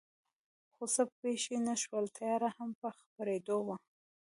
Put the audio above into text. خو څه پېښ نه شول، تیاره هم په خپرېدو وه.